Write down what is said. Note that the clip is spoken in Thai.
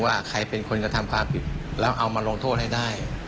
ว่าใครเป็นคนกระทำความผิดแล้วเอามาลงโทษให้ได้